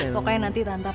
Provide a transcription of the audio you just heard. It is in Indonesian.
pokoknya nanti tante paham